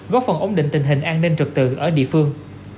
góp phần ổn định tình hình an ninh trực tượng ở địa phương